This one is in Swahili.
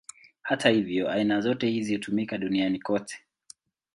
Hata hivyo, aina zote hizi hutumika duniani kote.